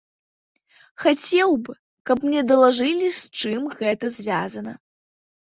Хацеў бы, каб мне далажылі, з чым гэта звязана.